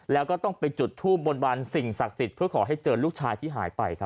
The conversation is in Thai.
แล้วก็ต้องไปจุดทูบบนบานสิ่งศักดิ์สิทธิ์เพื่อขอให้เจอลูกชายที่หายไปครับ